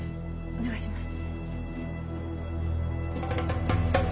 お願いします